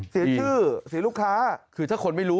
เสียชื่อเสียลูกค้าคือถ้าคนไม่รู้